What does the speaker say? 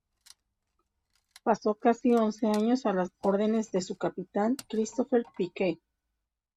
Pasó casi once años a las órdenes de su capitán Christopher Pike.